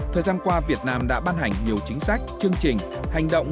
thời gian qua việt nam đã ban hành nhiều chính sách chương trình hành động